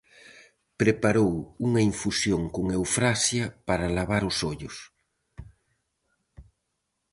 Preparou unha infusión con eufrasia para lavar os ollos.